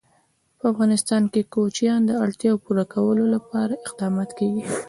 په افغانستان کې د کوچیان د اړتیاوو پوره کولو لپاره اقدامات کېږي.